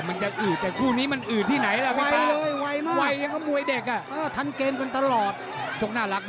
มันจะอืดแต่คู่นี้มันอืดที่ไหนละ